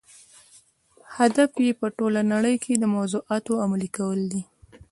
هدف یې په ټولنه کې د موضوعاتو عملي کول دي.